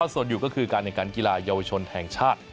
ส่วนอยู่ก็คือการแข่งขันกีฬาเยาวชนแห่งชาติ